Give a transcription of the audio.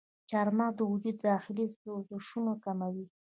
چارمغز د وجود داخلي سوزشونه کموي.